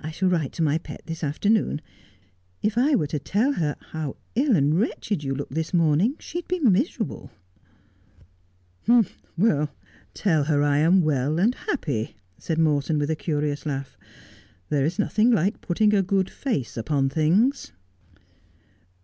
I shall write to my pet this afternoon. If I were to tell her how ill and wretched you look this morning she'd be miserable.' ' Tell her I am well and happy,' said Morton, with a curious laugh. 'There is nothing like putting a good face upon things.'